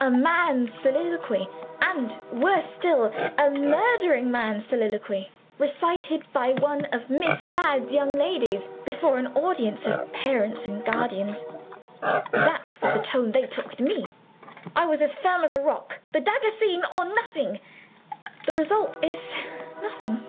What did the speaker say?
A man's soliloquy, and, worse still, a murdering man's soliloquy, recited by one of Miss Ladd's young ladies, before an audience of parents and guardians! That was the tone they took with me. I was as firm as a rock. The dagger scene or nothing. The result is nothing!